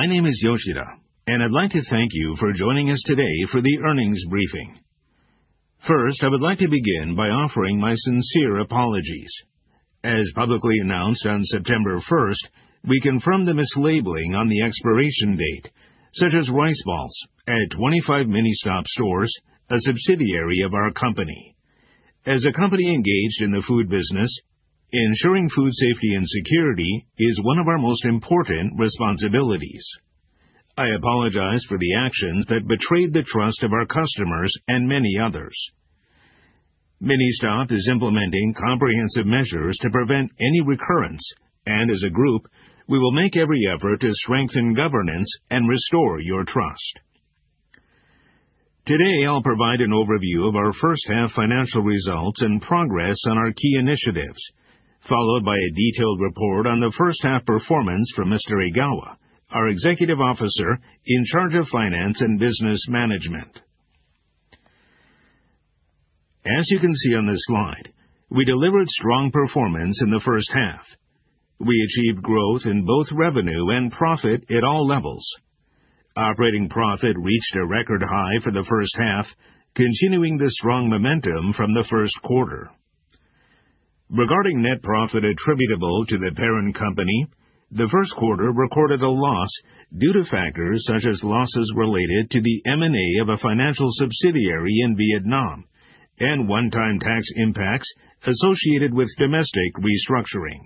My name is Yoshida, and I'd like to thank you for joining us today for the earnings briefing. First, I would like to begin by offering my sincere apologies. As publicly announced on September 1st, we confirmed the mislabeling on the expiration date, such as rice balls at 25 MINISTOP stores, a subsidiary of our company. As a company engaged in the food business, ensuring food safety and security is one of our most important responsibilities. I apologize for the actions that betrayed the trust of our customers and many others. MINISTOP is implementing comprehensive measures to prevent any recurrence, and as a group, we will make every effort to strengthen governance and restore your trust. Today, I'll provide an overview of our first-half financial results and progress on our key initiatives, followed by a detailed report on the first-half performance from Mr. Egawa, our Executive Officer in charge of Finance and Business Management. As you can see on this slide, we delivered strong performance in the first half. We achieved growth in both revenue and profit at all levels. Operating profit reached a record high for the first half, continuing the strong momentum from the first quarter. Regarding net profit attributable to the parent company, the first quarter recorded a loss due to factors such as losses related to the M&A of a financial subsidiary in Vietnam and one-time tax impacts associated with domestic restructuring.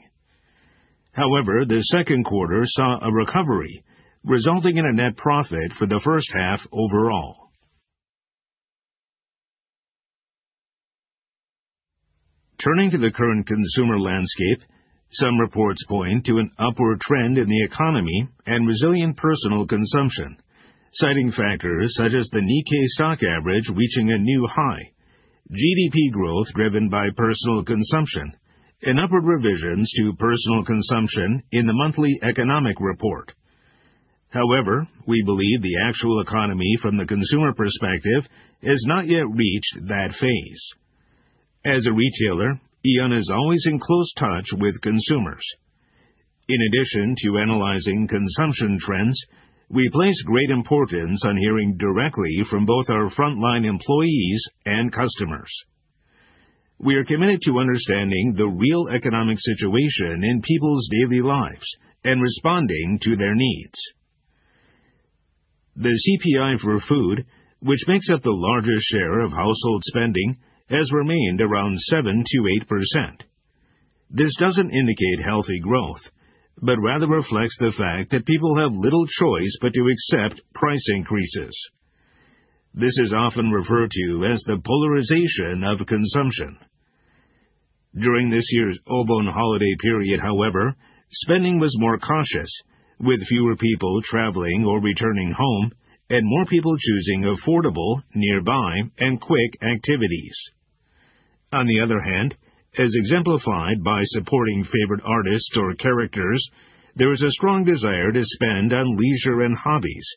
However, the second quarter saw a recovery, resulting in a net profit for the first half overall. Turning to the current consumer landscape, some reports point to an upward trend in the economy and resilient personal consumption, citing factors such as the Nikkei Stock Average reaching a new high, GDP growth driven by personal consumption, and upward revisions to personal consumption in the monthly economic report. However, we believe the actual economy from the consumer perspective has not yet reached that phase. As a retailer, AEON is always in close touch with consumers. In addition to analyzing consumption trends, we place great importance on hearing directly from both our frontline employees and customers. We are committed to understanding the real economic situation in people's daily lives and responding to their needs. The CPI for food, which makes up the largest share of household spending, has remained around 7%-8%. This doesn't indicate healthy growth, but rather reflects the fact that people have little choice but to accept price increases. This is often referred to as the polarization of consumption. During this year's Obon holiday period, however, spending was more cautious, with fewer people traveling or returning home and more people choosing affordable, nearby, and quick activities. On the other hand, as exemplified by supporting favorite artists or characters, there is a strong desire to spend on leisure and hobbies,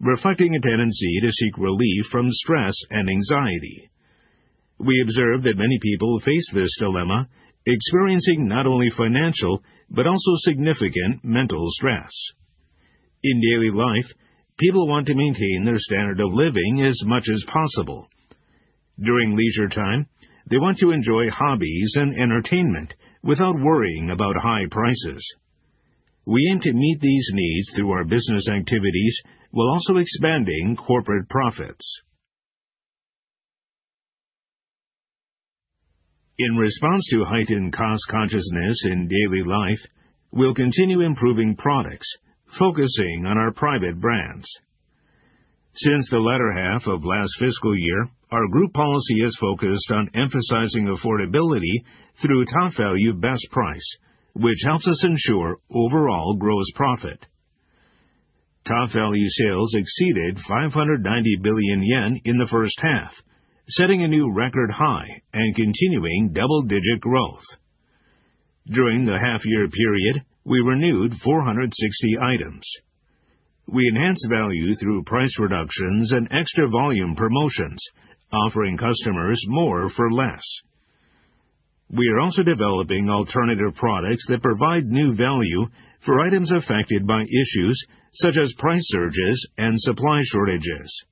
reflecting a tendency to seek relief from stress and anxiety. We observe that many people face this dilemma, experiencing not only financial but also significant mental stress. In daily life, people want to maintain their standard of living as much as possible. During leisure time, they want to enjoy hobbies and entertainment without worrying about high prices. We aim to meet these needs through our business activities while also expanding corporate profits. In response to heightened cost consciousness in daily life, we'll continue improving products, focusing on our private brands. Since the latter half of last fiscal year, our group policy has focused on emphasizing affordability through TOPVALU BESTPRICE, which helps us ensure overall gross profit. TOPVALU sales exceeded 590 billion yen in the first half, setting a new record high and continuing double-digit growth. During the half-year period, we renewed 460 items. We enhanced value through price reductions and extra volume promotions, offering customers more for less. We are also developing alternative products that provide new value for items affected by issues such as price surges and supply shortages.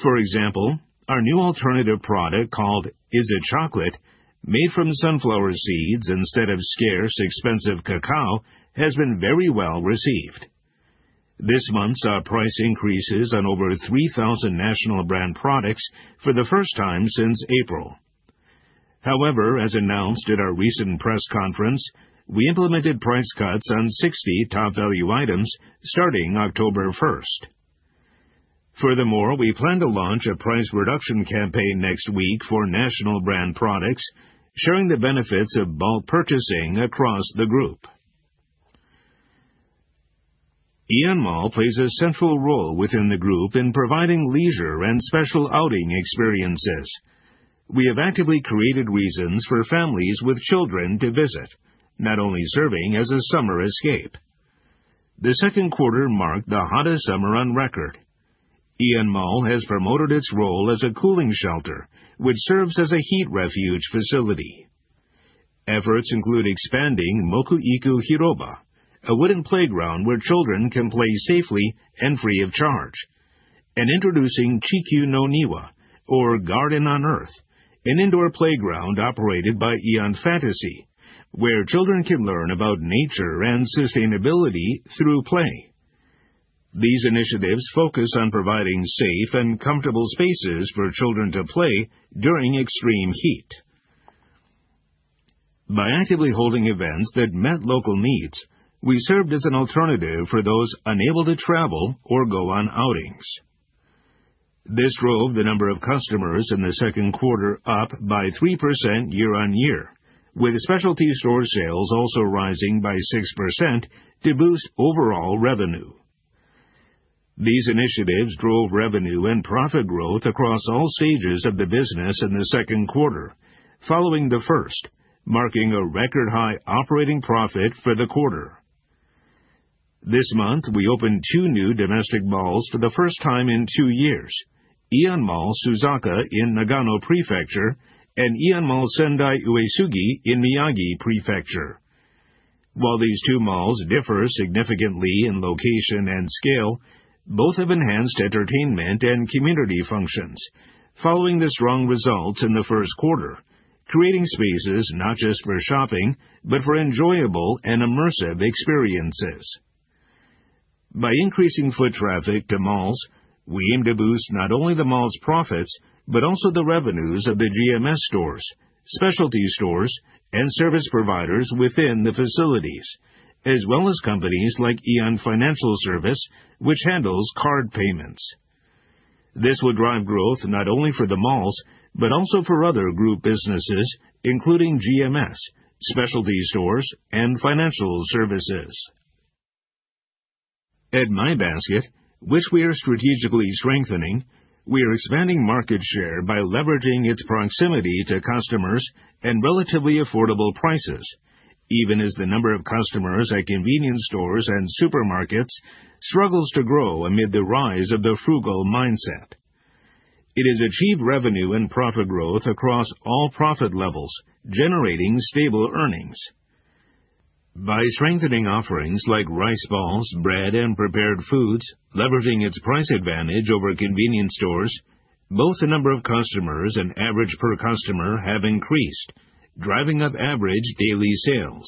For example, our new alternative product called Is It Chocolate?, made from sunflower seeds instead of scarce, expensive cacao, has been very well received. This month saw price increases on over 3,000 national brand products for the first time since April. However, as announced at our recent press conference, we implemented price cuts on 60 TOPVALU items starting October 1st. Furthermore, we plan to launch a price reduction campaign next week for national brand products, sharing the benefits of bulk purchasing across the group. AEON MALL plays a central role within the group in providing leisure and special outing experiences. We have actively created reasons for families with children to visit, not only serving as a summer escape. The second quarter marked the hottest summer on record. AEON MALL has promoted its role as a cooling shelter, which serves as a heat refuge facility. Efforts include expanding Mokuiku Hiroba, a wooden playground where children can play safely and free of charge, and introducing Chikyu no Niwa, or Garden on Earth, an indoor playground operated by AEON Fantasy, where children can learn about nature and sustainability through play. These initiatives focus on providing safe and comfortable spaces for children to play during extreme heat. By actively holding events that met local needs, we served as an alternative for those unable to travel or go on outings. This drove the number of customers in the second quarter up by 3% year-on-year, with specialty store sales also rising by 6% to boost overall revenue. These initiatives drove revenue and profit growth across all stages of the business in the second quarter, following the first, marking a record high operating profit for the quarter. This month, we opened two new domestic malls for the first time in two years: AEON MALL Suzaka in Nagano Prefecture and AEON MALL Sendai Uesugi in Miyagi Prefecture. While these two malls differ significantly in location and scale, both have enhanced entertainment and community functions, following the strong results in the first quarter, creating spaces not just for shopping but for enjoyable and immersive experiences. By increasing foot traffic to malls, we aim to boost not only the malls' profits but also the revenues of the GMS stores, specialty stores, and service providers within the facilities, as well as companies like AEON Financial Service, which handles card payments. This will drive growth not only for the malls but also for other group businesses, including GMS, specialty stores, and financial services. At My Basket, which we are strategically strengthening, we are expanding market share by leveraging its proximity to customers and relatively affordable prices, even as the number of customers at convenience stores and supermarkets struggles to grow amid the rise of the frugal mindset. It has achieved revenue and profit growth across all profit levels, generating stable earnings. By strengthening offerings like rice balls, bread, and prepared foods, leveraging its price advantage over convenience stores, both the number of customers and average per customer have increased, driving up average daily sales.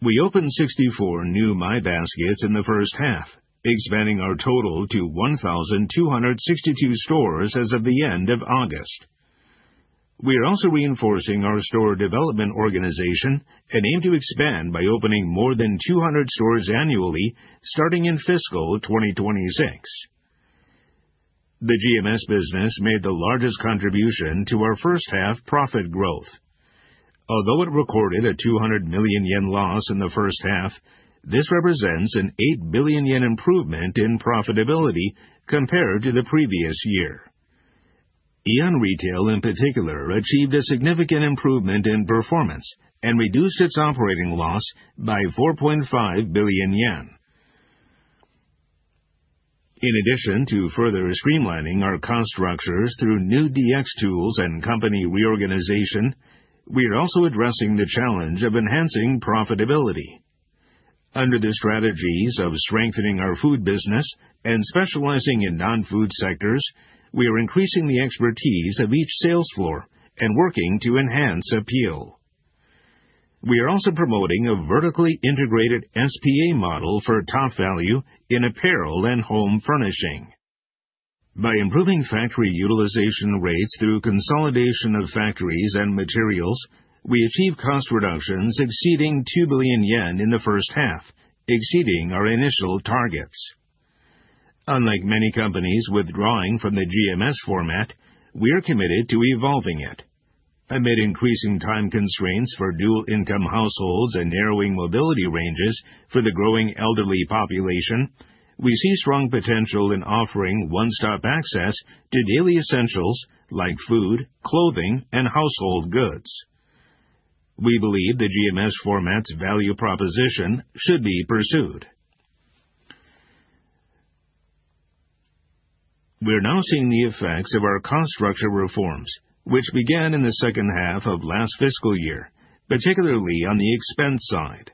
We opened 64 new My Baskets in the first half, expanding our total to 1,262 stores as of the end of August. We are also reinforcing our store development organization and aim to expand by opening more than 200 stores annually starting in fiscal 2026. The GMS business made the largest contribution to our first-half profit growth. Although it recorded a 200 million yen loss in the first half, this represents a 8 billion yen improvement in profitability compared to the previous year. AEON Retail, in particular, achieved a significant improvement in performance and reduced its operating loss by 4.5 billion yen. In addition to further streamlining our cost structures through new DX tools and company reorganization, we are also addressing the challenge of enhancing profitability. Under the strategies of strengthening our food business and specializing in non-food sectors, we are increasing the expertise of each sales floor and working to enhance appeal. We are also promoting a vertically integrated SPA model for TOPVALU in apparel and home furnishing. By improving factory utilization rates through consolidation of factories and materials, we achieved cost reductions exceeding 2 billion yen in the first half, exceeding our initial targets. Unlike many companies withdrawing from the GMS format, we are committed to evolving it. Amid increasing time constraints for dual-income households and narrowing mobility ranges for the growing elderly population, we see strong potential in offering one-stop access to daily essentials like food, clothing, and household goods. We believe the GMS format's value proposition should be pursued. We are now seeing the effects of our cost structure reforms, which began in the second half of last fiscal year, particularly on the expense side.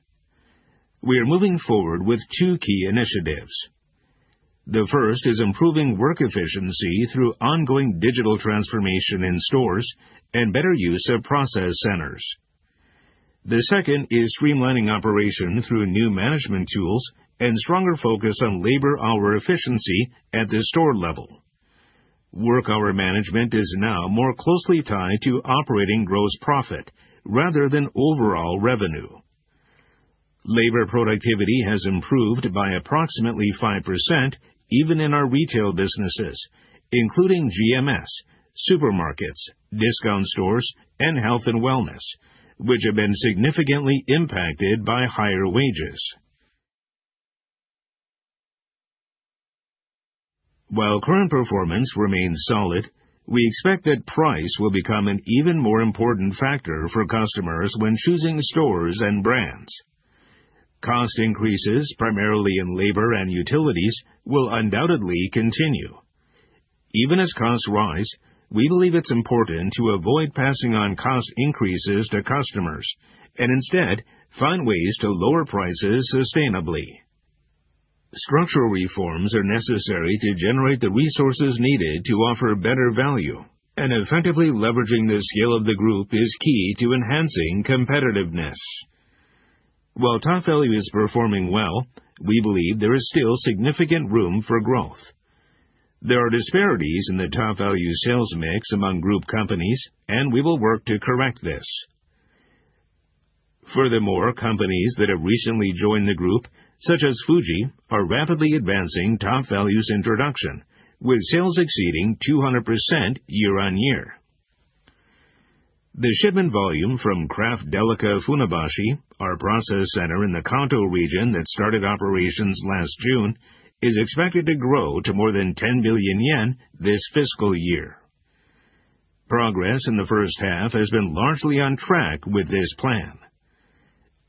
We are moving forward with two key initiatives. The first is improving work efficiency through ongoing digital transformation in stores and better use of process centers. The second is streamlining operation through new management tools and stronger focus on labor hour efficiency at the store level. Work hour management is now more closely tied to operating gross profit rather than overall revenue. Labor productivity has improved by approximately 5% even in our retail businesses, including GMS, supermarkets, discount stores, and health and wellness, which have been significantly impacted by higher wages. While current performance remains solid, we expect that price will become an even more important factor for customers when choosing stores and brands. Cost increases, primarily in labor and utilities, will undoubtedly continue. Even as costs rise, we believe it's important to avoid passing on cost increases to customers and instead find ways to lower prices sustainably. Structural reforms are necessary to generate the resources needed to offer better value, and effectively leveraging the scale of the group is key to enhancing competitiveness. While TOPVALU is performing well, we believe there is still significant room for growth. There are disparities in the TOPVALU sales mix among group companies, and we will work to correct this. Furthermore, companies that have recently joined the group, such as Fuji, are rapidly advancing TOPVALU's introduction, with sales exceeding 200% year-on-year. The shipment volume from Craft Delica Funabashi, our process center in the Kanto region that started operations last June, is expected to grow to more than 10 billion yen this fiscal year. Progress in the first half has been largely on track with this plan.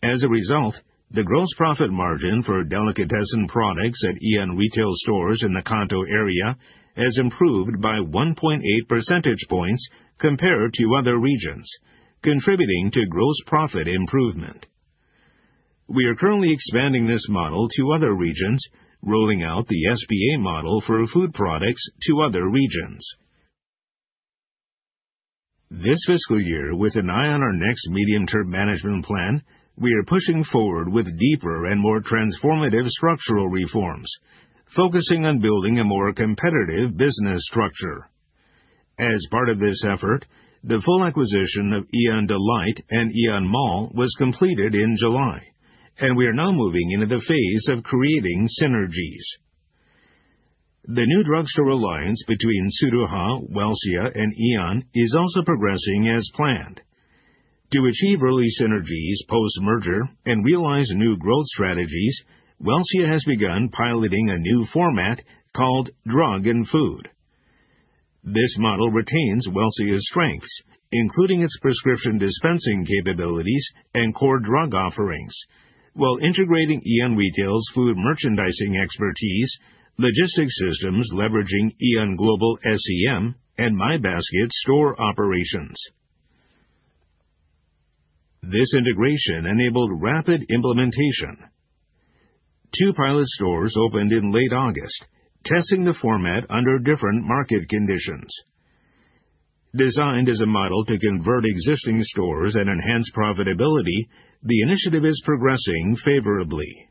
As a result, the gross profit margin for delicatessen products at AEON Retail stores in the Kanto area has improved by 1.8 percentage points compared to other regions, contributing to gross profit improvement. We are currently expanding this model to other regions, rolling out the SPA model for food products to other regions. This fiscal year, with an eye on our next medium-term management plan, we are pushing forward with deeper and more transformative structural reforms, focusing on building a more competitive business structure. As part of this effort, the full acquisition of AEON Delight and AEON MALL was completed in July, and we are now moving into the phase of creating synergies. The new drugstore alliance between Tsuruha, Welcia, and AEON is also progressing as planned. To achieve early synergies post-merger and realize new growth strategies, Welcia has begun piloting a new format called Drug & Food. This model retains Welcia's strengths, including its prescription dispensing capabilities and core drug offerings, while integrating AEON Retail's food merchandising expertise, logistics systems leveraging AEON Global SCM, and My Basket store operations. This integration enabled rapid implementation. Two pilot stores opened in late August, testing the format under different market conditions. Designed as a model to convert existing stores and enhance profitability, the initiative is progressing favorably.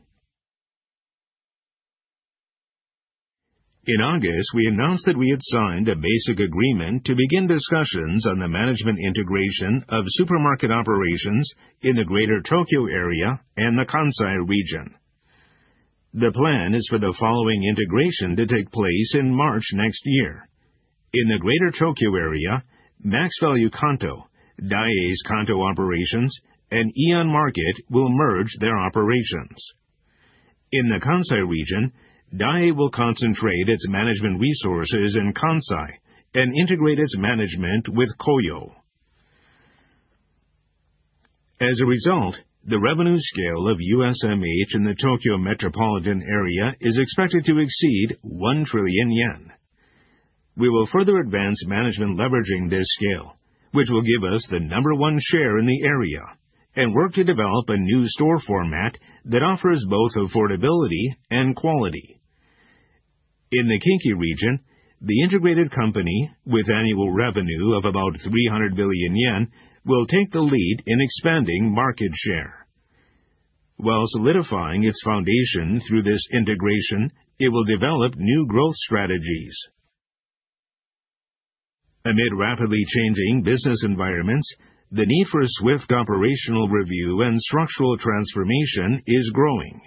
In August, we announced that we had signed a basic agreement to begin discussions on the management integration of supermarket operations in the Greater Tokyo area and the Kansai region. The plan is for the following integration to take place in March next year. In the Greater Tokyo area, MaxValu Kanto, Daiei's Kanto operations, and AEON Market will merge their operations. In the Kansai region, Daiei will concentrate its management resources in Kansai and integrate its management with Kohyo. As a result, the revenue scale of USMH in the Tokyo metropolitan area is expected to exceed 1 trillion yen. We will further advance management leveraging this scale, which will give us the number one share in the area, and work to develop a new store format that offers both affordability and quality. In the Kinki region, the integrated company, with annual revenue of about 300 billion yen, will take the lead in expanding market share. While solidifying its foundation through this integration, it will develop new growth strategies. Amid rapidly changing business environments, the need for a swift operational review and structural transformation is growing.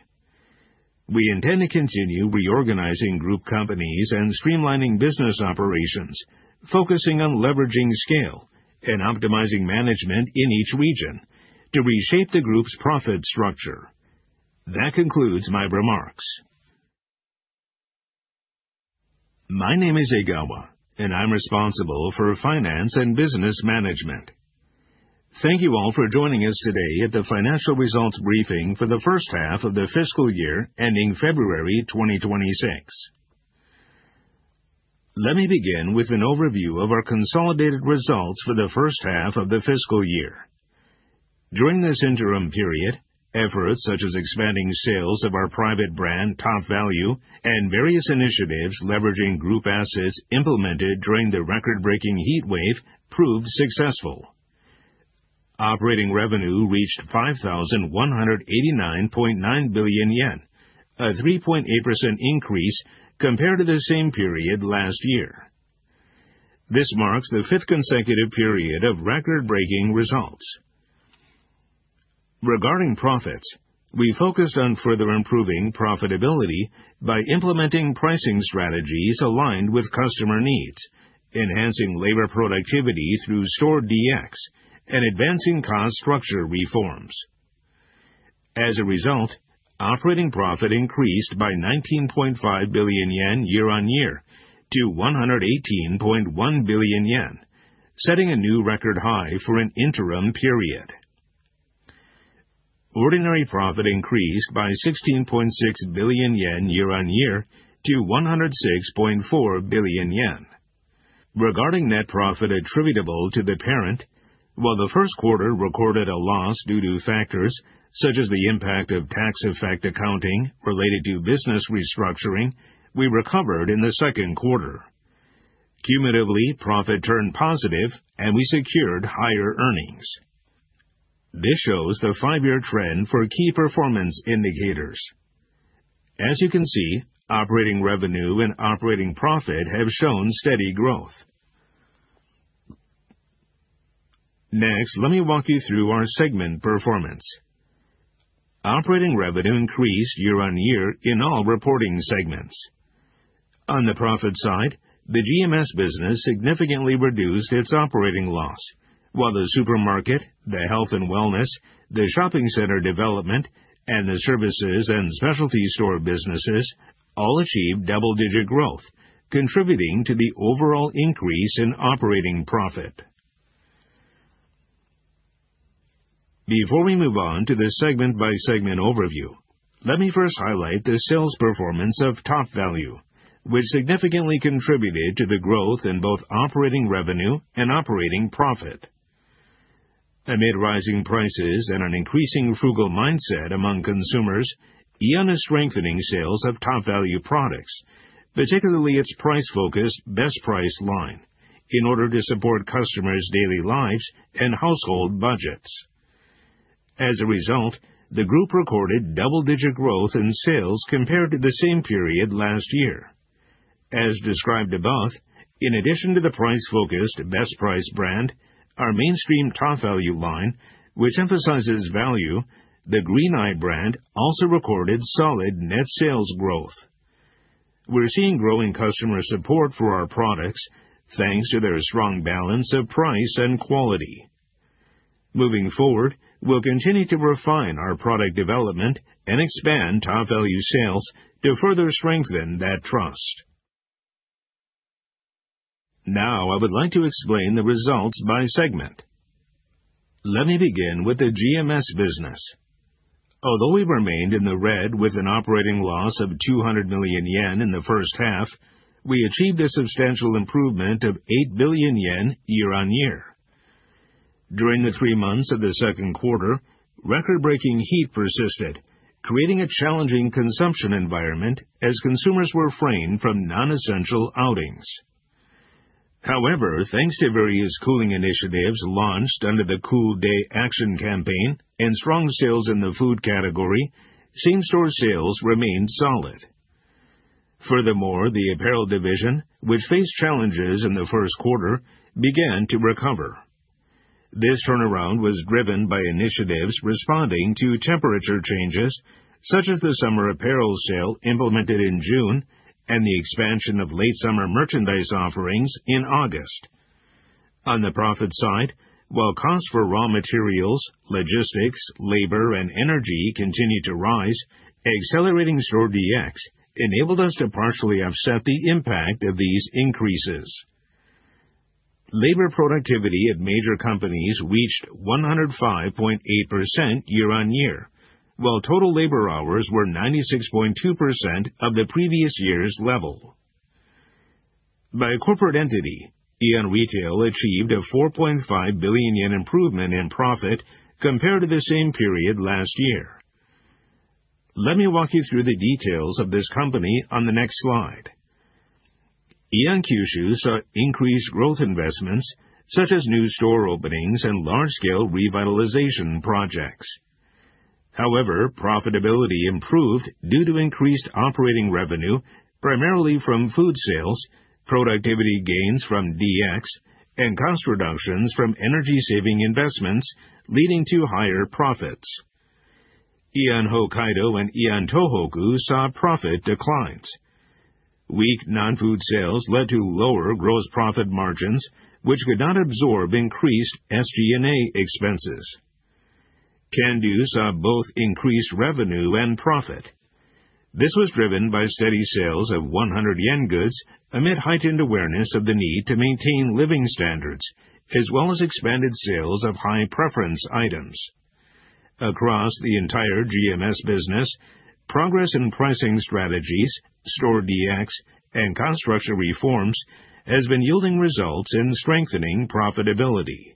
We intend to continue reorganizing group companies and streamlining business operations, focusing on leveraging scale and optimizing management in each region to reshape the group's profit structure. That concludes my remarks. My name is Egawa, and I'm responsible for finance and business management. Thank you all for joining us today at the financial results briefing for the first half of the fiscal year ending February 2026. Let me begin with an overview of our consolidated results for the first half of the fiscal year. During this interim period, efforts such as expanding sales of our private brand TOPVALU and various initiatives leveraging group assets implemented during the record-breaking heat wave proved successful. Operating revenue reached 5,189.9 billion yen, a 3.8% increase compared to the same period last year. This marks the fifth consecutive period of record-breaking results. Regarding profits, we focused on further improving profitability by implementing pricing strategies aligned with customer needs, enhancing labor productivity through store DX, and advancing cost structure reforms. As a result, operating profit increased by 19.5 billion yen year-on-year to 118.1 billion yen, setting a new record high for an interim period. Ordinary profit increased by 16.6 billion yen year-on-year to 06.4 billion yen. Regarding net profit attributable to the parent, while the first quarter recorded a loss due to factors such as the impact of tax-effect accounting related to business restructuring, we recovered in the second quarter. Cumulatively, profit turned positive, and we secured higher earnings. This shows the five-year trend for key performance indicators. As you can see, operating revenue and operating profit have shown steady growth. Next, let me walk you through our segment performance. Operating revenue increased year-on-year in all reporting segments. On the profit side, the GMS business significantly reduced its operating loss, while the supermarket, the health and wellness, the shopping center development, and the services and specialty store businesses all achieved double-digit growth, contributing to the overall increase in operating profit. Before we move on to the segment-by-segment overview, let me first highlight the sales performance of TOPVALU, which significantly contributed to the growth in both operating revenue and operating profit. Amid rising prices and an increasing frugal mindset among consumers, AEON is strengthening sales of TOPVALU products, particularly its price-focused BESTPRICE line, in order to support customers' daily lives and household budgets. As a result, the group recorded double-digit growth in sales compared to the same period last year. As described above, in addition to the price-focused BESTPRICE brand, our mainstream TOPVALU line, which emphasizes value, the Green Eye brand also recorded solid net sales growth. We're seeing growing customer support for our products thanks to their strong balance of price and quality. Moving forward, we'll continue to refine our product development and expand TOPVALU sales to further strengthen that trust. Now, I would like to explain the results by segment. Let me begin with the GMS business. Although we remained in the red with an operating loss of 200 million yen in the first half, we achieved a substantial improvement of 8 billion yen year-on-year. During the three months of the second quarter, record-breaking heat persisted, creating a challenging consumption environment as consumers were fleeing from non-essential outings. However, thanks to various cooling initiatives launched under the COOL de ACTION campaign and strong sales in the food category, same-store sales remained solid. Furthermore, the apparel division, which faced challenges in the first quarter, began to recover. This turnaround was driven by initiatives responding to temperature changes, such as the summer apparel sale implemented in June and the expansion of late-summer merchandise offerings in August. On the profit side, while costs for raw materials, logistics, labor, and energy continued to rise, accelerating store DX enabled us to partially offset the impact of these increases. Labor productivity at major companies reached 105.8% year-on-year, while total labor hours were 96.2% of the previous year's level. By a corporate entity, AEON Retail achieved a 4.5 billion yen improvement in profit compared to the same period last year. Let me walk you through the details of this company on the next slide. AEON Kyushu saw increased growth investments such as new store openings and large-scale revitalization projects. However, profitability improved due to increased operating revenue, primarily from food sales, productivity gains from DX, and cost reductions from energy-saving investments, leading to higher profits. AEON Hokkaido and AEON Tohoku saw profit declines. Weak non-food sales led to lower gross profit margins, which could not absorb increased SG&A expenses. Kandu saw both increased revenue and profit. This was driven by steady sales of 100-yen goods amid heightened awareness of the need to maintain living standards, as well as expanded sales of high-preference items. Across the entire GMS business, progress in pricing strategies, store DX, and cost structure reforms has been yielding results in strengthening profitability.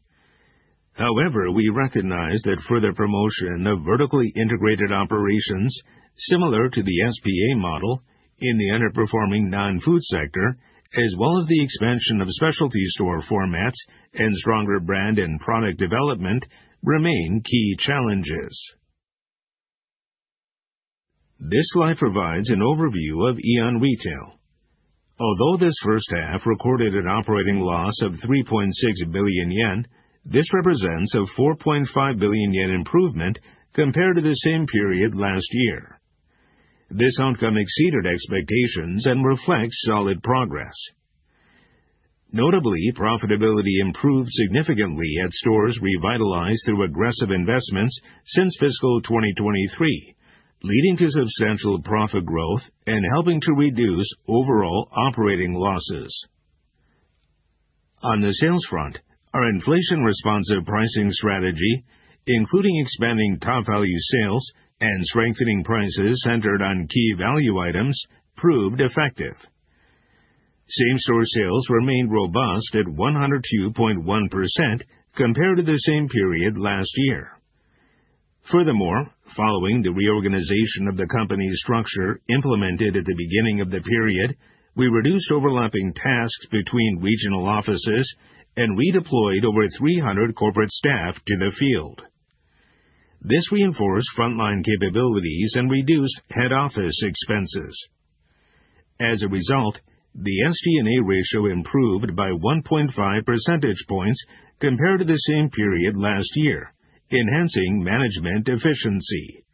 However, we recognize that further promotion of vertically integrated operations, similar to the SPA model, in the underperforming non-food sector, as well as the expansion of specialty store formats and stronger brand and product development, remain key challenges. This slide provides an overview of AEON Retail. Although this first half recorded an operating loss of 3.6 billion yen, this represents a 4.5 billion yen improvement compared to the same period last year. This outcome exceeded expectations and reflects solid progress. Notably, profitability improved significantly at stores revitalized through aggressive investments since fiscal 2023, leading to substantial profit growth and helping to reduce overall operating losses. On the sales front, our inflation-responsive pricing strategy, including expanding TOPVALU sales and strengthening prices centered on key value items, proved effective. Same-store sales remained robust at 102.1% compared to the same period last year. Furthermore, following the reorganization of the company structure implemented at the beginning of the period, we reduced overlapping tasks between regional offices and redeployed over 300 corporate staff to the field. This reinforced frontline capabilities and reduced head office expenses. As a result, the SG&A ratio improved by 1.5 percentage points compared to the same period last year, enhancing management efficiency.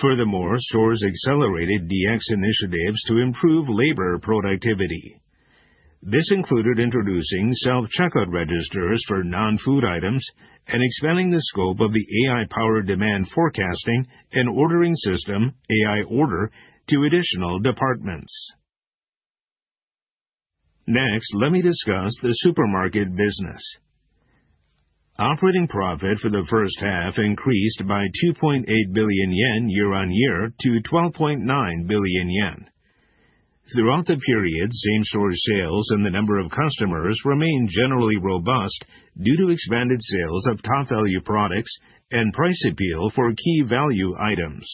Furthermore, stores accelerated DX initiatives to improve labor productivity. This included introducing self-checkout registers for non-food items and expanding the scope of the AI-powered demand forecasting and ordering system AI Order to additional departments. Next, let me discuss the supermarket business. Operating profit for the first half increased by 2.8 billion yen year-on-year to 12.9 billion yen. Throughout the period, same-store sales and the number of customers remained generally robust due to expanded sales of TOPVALU products and price appeal for key value items.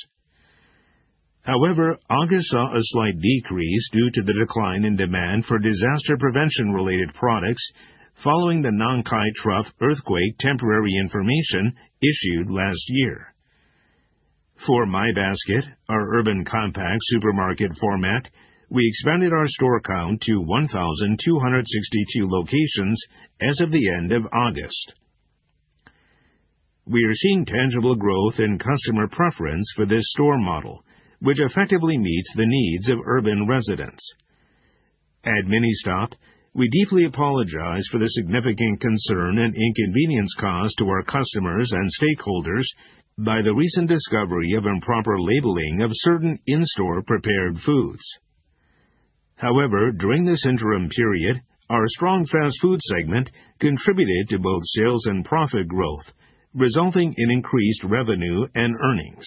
However, August saw a slight decrease due to the decline in demand for disaster prevention-related products following the Nankai Trough Earthquake temporary information issued last year. For My Basket, our urban compact supermarket format, we expanded our store count to 1,262 locations as of the end of August. We are seeing tangible growth in customer preference for this store model, which effectively meets the needs of urban residents. At MINISTOP, we deeply apologize for the significant concern and inconvenience caused to our customers and stakeholders by the recent discovery of improper labeling of certain in-store prepared foods. However, during this interim period, our strong fast food segment contributed to both sales and profit growth, resulting in increased revenue and earnings.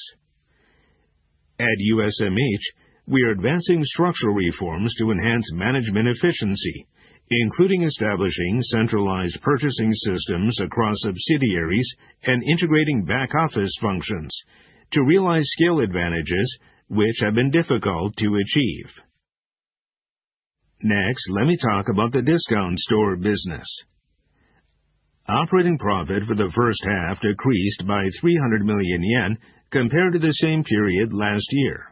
At USMH, we are advancing structural reforms to enhance management efficiency, including establishing centralized purchasing systems across subsidiaries and integrating back office functions to realize scale advantages, which have been difficult to achieve. Next, let me talk about the discount store business. Operating profit for the first half decreased by 300 million yen compared to the same period last year.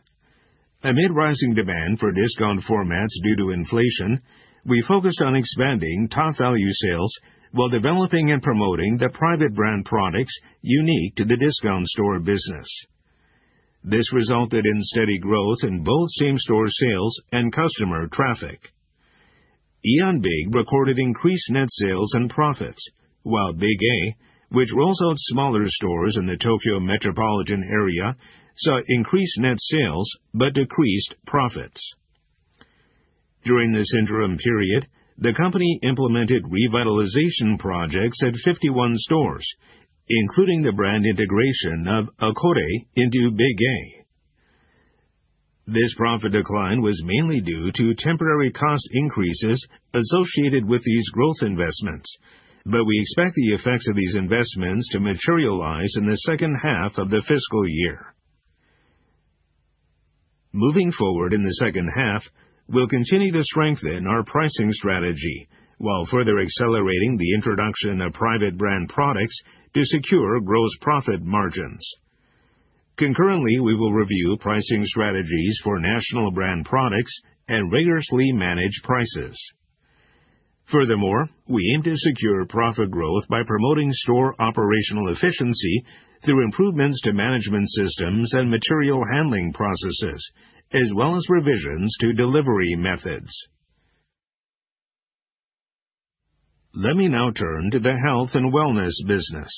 Amid rising demand for discount formats due to inflation, we focused on expanding TOPVALU sales while developing and promoting the private brand products unique to the discount store business. This resulted in steady growth in both same-store sales and customer traffic. AEON Big recorded increased net sales and profits, while Big A, which rolls out smaller stores in the Tokyo metropolitan area, saw increased net sales but decreased profits. During this interim period, the company implemented revitalization projects at 51 stores, including the brand integration of Acole into Big A. This profit decline was mainly due to temporary cost increases associated with these growth investments, but we expect the effects of these investments to materialize in the second half of the fiscal year. Moving forward in the second half, we'll continue to strengthen our pricing strategy while further accelerating the introduction of private brand products to secure gross profit margins. Concurrently, we will review pricing strategies for national brand products and rigorously manage prices. Furthermore, we aim to secure profit growth by promoting store operational efficiency through improvements to management systems and material handling processes, as well as revisions to delivery methods. Let me now turn to the health and wellness business.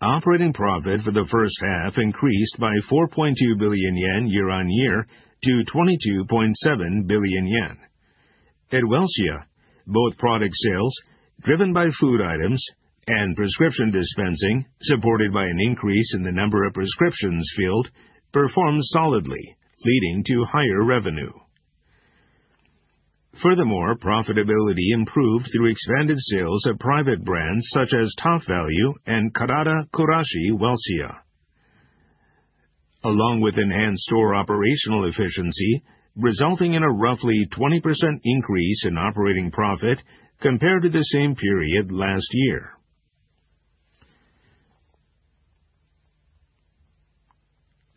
Operating profit for the first half increased by 4.2 billion yen year-on-year to 22.7 billion yen. At Welcia, both product sales, driven by food items, and prescription dispensing, supported by an increase in the number of prescriptions filed, performed solidly, leading to higher revenue. Furthermore, profitability improved through expanded sales of private brands such as TOPVALU and Karada-Kurashi Welcia, along with enhanced store operational efficiency, resulting in a roughly 20% increase in operating profit compared to the same period last year.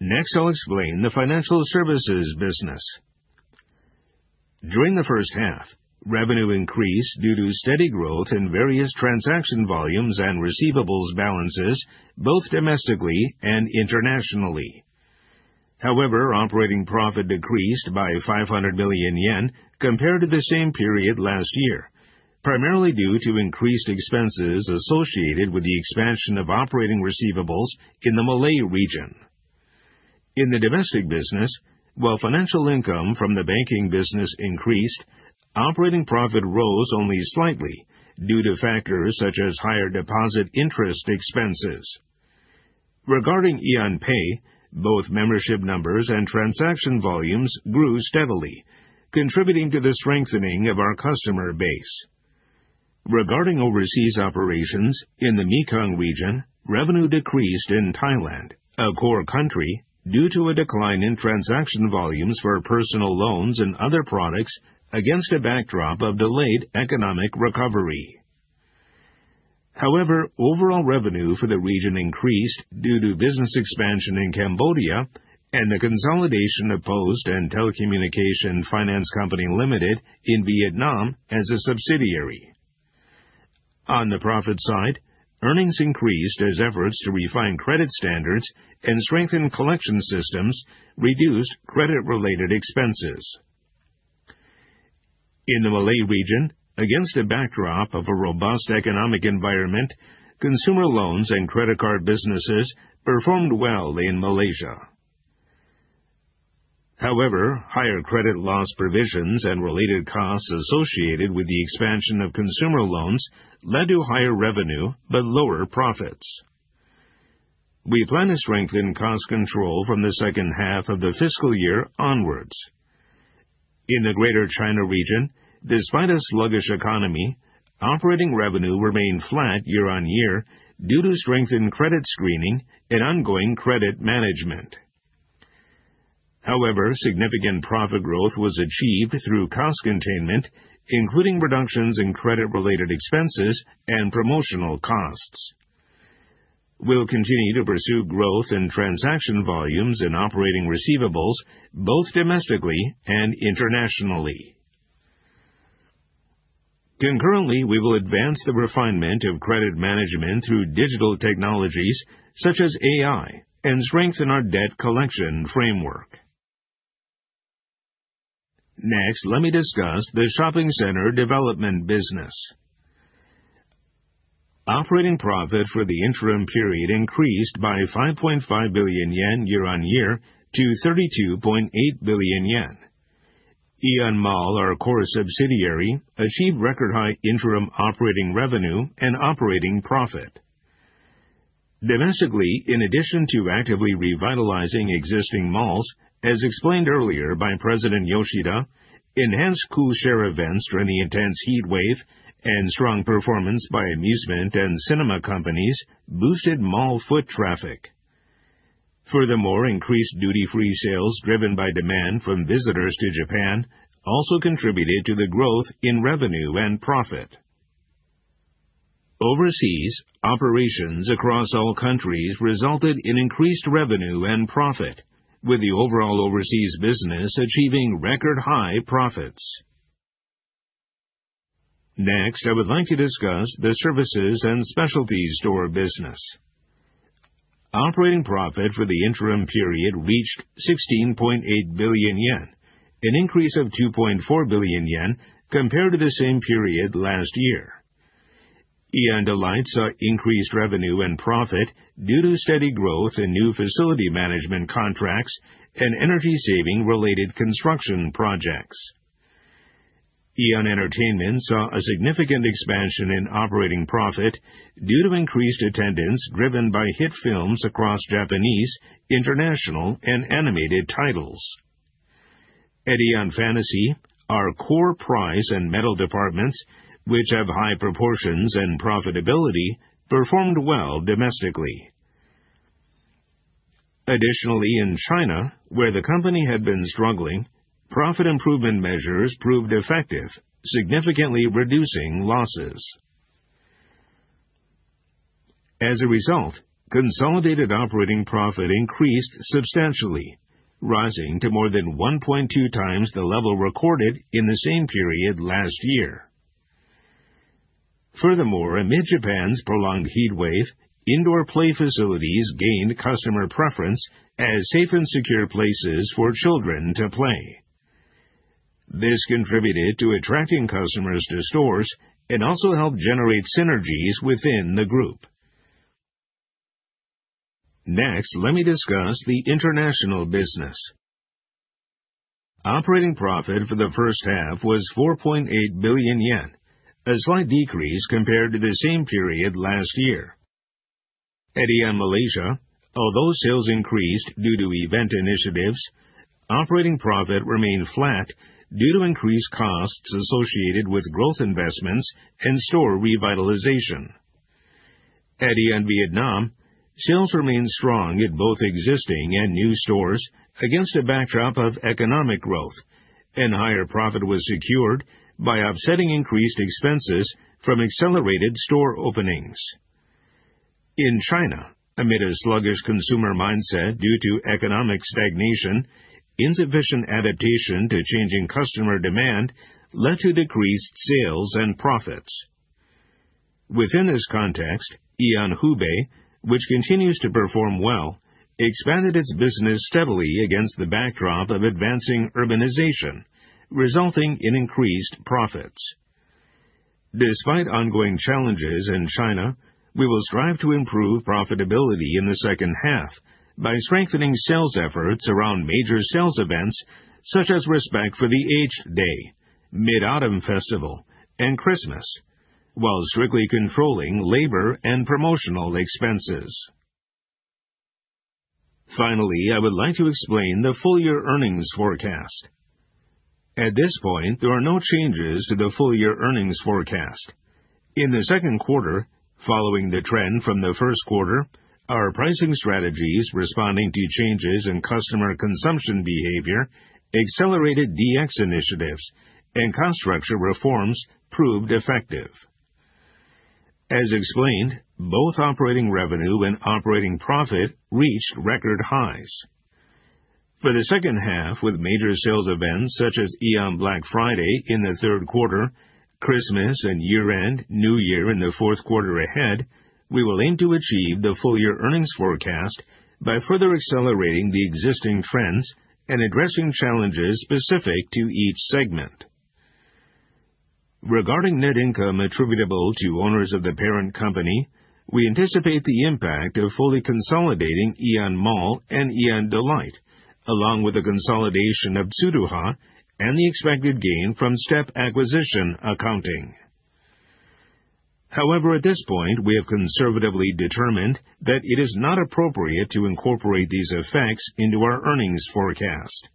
Next, I'll explain the financial services business. During the first half, revenue increased due to steady growth in various transaction volumes and receivables balances, both domestically and internationally. However, operating profit decreased by 500 million yen compared to the same period last year, primarily due to increased expenses associated with the expansion of operating receivables in the Malaysia region. In the domestic business, while financial income from the banking business increased, operating profit rose only slightly due to factors such as higher deposit interest expenses. Regarding AEON Pay, both membership numbers and transaction volumes grew steadily, contributing to the strengthening of our customer base. Regarding overseas operations in the Mekong region, revenue decreased in Thailand, a core country, due to a decline in transaction volumes for personal loans and other products against a backdrop of delayed economic recovery. However, overall revenue for the region increased due to business expansion in Cambodia and the consolidation of Post and Telecommunication Finance Company Limited in Vietnam as a subsidiary. On the profit side, earnings increased as efforts to refine credit standards and strengthen collection systems reduced credit-related expenses. In the Malay region, against a backdrop of a robust economic environment, consumer loans and credit card businesses performed well in Malaysia. However, higher credit loss provisions and related costs associated with the expansion of consumer loans led to higher revenue but lower profits. We plan to strengthen cost control from the second half of the fiscal year onwards. In the Greater China region, despite a sluggish economy, operating revenue remained flat year-on-year due to strengthened credit screening and ongoing credit management. However, significant profit growth was achieved through cost containment, including reductions in credit-related expenses and promotional costs. We'll continue to pursue growth in transaction volumes and operating receivables, both domestically and internationally. Concurrently, we will advance the refinement of credit management through digital technologies such as AI and strengthen our debt collection framework. Next, let me discuss the shopping center development business. Operating profit for the interim period increased by 5.5 billion yen year-on-year to 32.8 billion yen. AEON MALL, our core subsidiary, achieved record-high interim operating revenue and operating profit. Domestically, in addition to actively revitalizing existing malls, as explained earlier by President Yoshida, enhanced cool share events during the intense heat wave and strong performance by amusement and cinema companies boosted mall foot traffic. Furthermore, increased duty-free sales driven by demand from visitors to Japan also contributed to the growth in revenue and profit. Overseas, operations across all countries resulted in increased revenue and profit, with the overall overseas business achieving record-high profits. Next, I would like to discuss the services and specialty store business. Operating profit for the interim period reached 16.8 billion yen, an increase of 2.4 billion yen compared to the same period last year. AEON Delight saw increased revenue and profit due to steady growth in new facility management contracts and energy-saving related construction projects. AEON Entertainment saw a significant expansion in operating profit due to increased attendance driven by hit films across Japanese, international, and animated titles. At AEON Fantasy, our core price and metal departments, which have high proportions and profitability, performed well domestically. Additionally, in China, where the company had been struggling, profit improvement measures proved effective, significantly reducing losses. As a result, consolidated operating profit increased substantially, rising to more than 1.2x the level recorded in the same period last year. Furthermore, amid Japan's prolonged heat wave, indoor play facilities gained customer preference as safe and secure places for children to play. This contributed to attracting customers to stores and also helped generate synergies within the group. Next, let me discuss the international business. Operating profit for the first half was 4.8 billion yen, a slight decrease compared to the same period last year. At AEON Malaysia, although sales increased due to event initiatives, operating profit remained flat due to increased costs associated with growth investments and store revitalization. At AEON Vietnam, sales remained strong at both existing and new stores against a backdrop of economic growth, and higher profit was secured by offsetting increased expenses from accelerated store openings. In China, amid a sluggish consumer mindset due to economic stagnation, insufficient adaptation to changing customer demand led to decreased sales and profits. Within this context, AEON Hubei, which continues to perform well, expanded its business steadily against the backdrop of advancing urbanization, resulting in increased profits. Despite ongoing challenges in China, we will strive to improve profitability in the second half by strengthening sales efforts around major sales events such as Respect for the Aged Day, Mid-Autumn Festival, and Christmas, while strictly controlling labor and promotional expenses. Finally, I would like to explain the full year earnings forecast. At this point, there are no changes to the full year earnings forecast. In the second quarter, following the trend from the first quarter, our pricing strategies responding to changes in customer consumption behavior, accelerated DX initiatives, and cost structure reforms proved effective. As explained, both operating revenue and operating profit reached record highs. For the second half, with major sales events such as AEON Black Friday in the third quarter, Christmas and year-end New Year in the fourth quarter ahead, we will aim to achieve the full year earnings forecast by further accelerating the existing trends and addressing challenges specific to each segment. Regarding net income attributable to owners of the parent company, we anticipate the impact of fully consolidating AEON MALL and AEON Delight, along with the consolidation of Tsuruha, and the expected gain from step acquisition accounting. However, at this point, we have conservatively determined that it is not appropriate to incorporate these effects into our earnings forecast.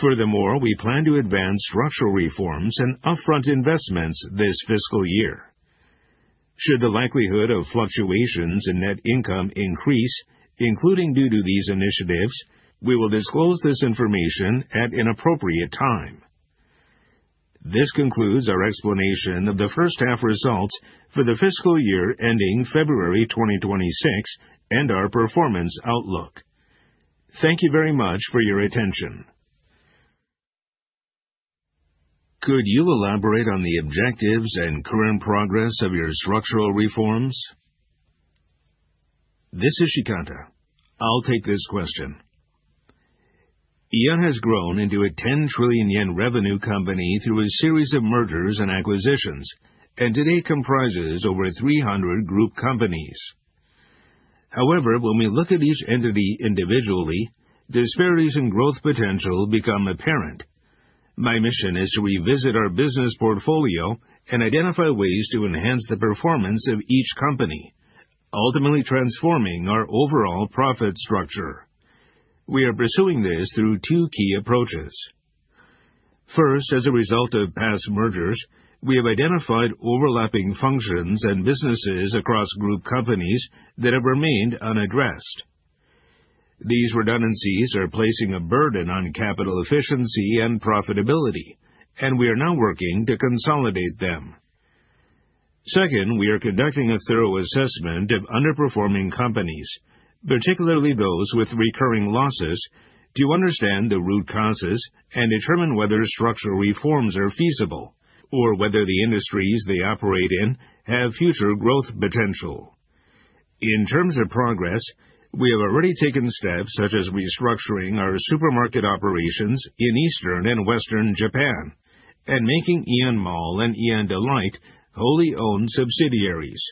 Furthermore, we plan to advance structural reforms and upfront investments this fiscal year. Should the likelihood of fluctuations in net income increase, including due to these initiatives, we will disclose this information at an appropriate time. This concludes our explanation of the first half results for the fiscal year ending February 2026 and our performance outlook. Thank you very much for your attention. Could you elaborate on the objectives and current progress of your structural reforms? This is Shikata. I'll take this question. AEON has grown into a 10 trillion yen revenue company through a series of mergers and acquisitions, and today comprises over 300 group companies. However, when we look at each entity individually, disparities in growth potential become apparent. My mission is to revisit our business portfolio and identify ways to enhance the performance of each company, ultimately transforming our overall profit structure. We are pursuing this through two key approaches. First, as a result of past mergers, we have identified overlapping functions and businesses across group companies that have remained unaddressed. These redundancies are placing a burden on capital efficiency and profitability, and we are now working to consolidate them. Second, we are conducting a thorough assessment of underperforming companies, particularly those with recurring losses, to understand the root causes and determine whether structural reforms are feasible or whether the industries they operate in have future growth potential. In terms of progress, we have already taken steps such as restructuring our supermarket operations in Eastern and Western Japan and making AEON MALL and AEON Delight wholly owned subsidiaries.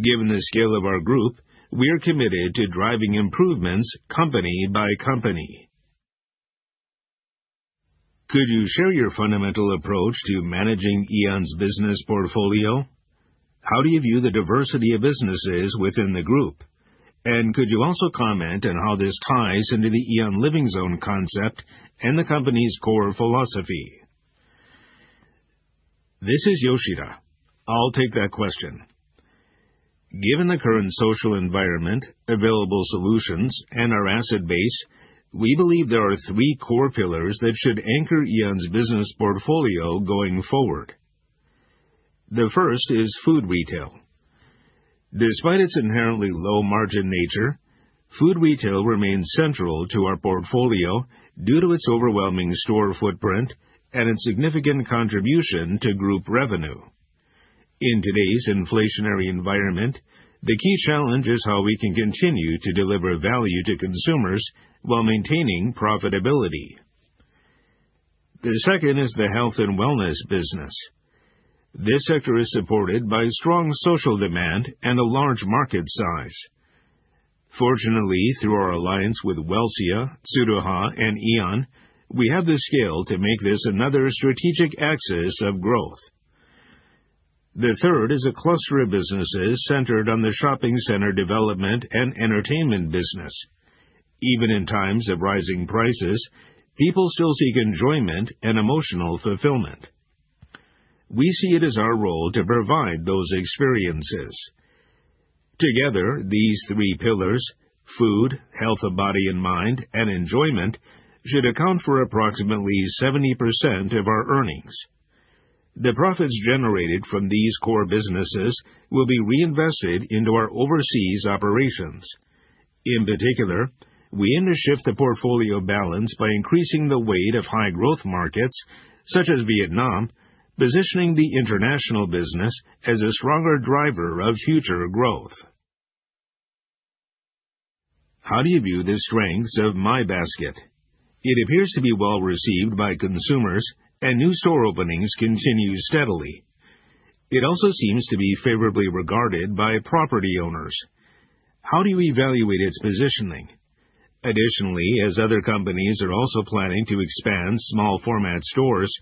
Given the scale of our group, we are committed to driving improvements company by company. Could you share your fundamental approach to managing AEON's business portfolio? How do you view the diversity of businesses within the group? And could you also comment on how this ties into the AEON Living Zone concept and the company's core philosophy? This is Yoshida. I'll take that question. Given the current social environment, available solutions, and our asset base, we believe there are three core pillars that should anchor AEON's business portfolio going forward. The first is food retail. Despite its inherently low-margin nature, food retail remains central to our portfolio due to its overwhelming store footprint and its significant contribution to group revenue. In today's inflationary environment, the key challenge is how we can continue to deliver value to consumers while maintaining profitability. The second is the health and wellness business. This sector is supported by strong social demand and a large market size. Fortunately, through our alliance with Welcia, Tsuruha, and AEON, we have the scale to make this another strategic axis of growth. The third is a cluster of businesses centered on the shopping center development and entertainment business. Even in times of rising prices, people still seek enjoyment and emotional fulfillment. We see it as our role to provide those experiences. Together, these three pillars, food, health of body and mind, and enjoyment, should account for approximately 70% of our earnings. The profits generated from these core businesses will be reinvested into our overseas operations. In particular, we aim to shift the portfolio balance by increasing the weight of high-growth markets such as Vietnam, positioning the international business as a stronger driver of future growth. How do you view the strengths of My Basket? It appears to be well received by consumers, and new store openings continue steadily. It also seems to be favorably regarded by property owners. How do you evaluate its positioning? Additionally, as other companies are also planning to expand small-format stores,